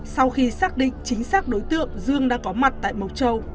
sau khi xác định chính xác đối tượng dương đã có mặt tại mộc châu